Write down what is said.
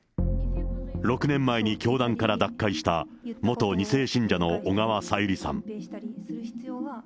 ６年前に教団から脱会した元２世信者の小川さゆりさん。